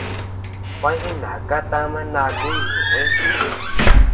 Gua jinaka tama ndakuu ñeʼe.